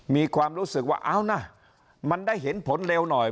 มีความรู้สึกว่าเอานะมันได้เห็นผลเร็วหน่อย